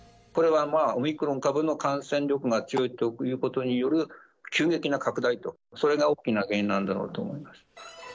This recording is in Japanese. これはまあ、オミクロン株の感染力が強いということによる急激な拡大と、それが大きな原因なんだろうと思います。